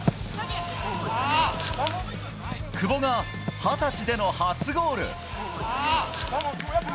久保が二十歳での初ゴール！